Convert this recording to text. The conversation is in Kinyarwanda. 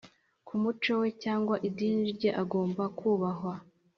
ku muco we cyangwa idini rye agomba kubahwa.